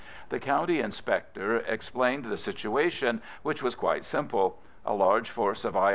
The County Inspector explained the situation, which was quite simple. A large force of I.